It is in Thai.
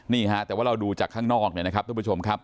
นี่ฮะแต่ว่าเราดูจากข้างนอกเนี่ยนะครับทุกผู้ชมครับ